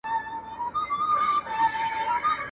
نن هغه ماشه د ورور پر لور كشېږي.